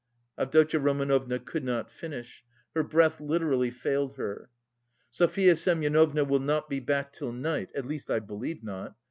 Avdotya Romanovna could not finish. Her breath literally failed her. "Sofya Semyonovna will not be back till night, at least I believe not.